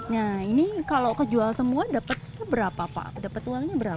nah ini kalau kejual semua dapat berapa pak dapat uangnya berapa